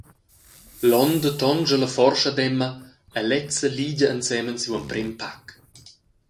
L’onda tonscha la forsch ad Emma e lezza ligia ensemen siu emprem pac.